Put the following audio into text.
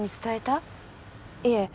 いえ。